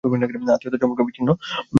আত্মীয়তার সম্পর্ক বিচ্ছিন্ন হয়ে গেল।